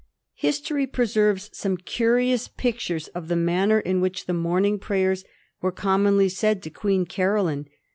History preserves some curious pictures of the manner in which the morning prayers were commonly said to Queen Caroline.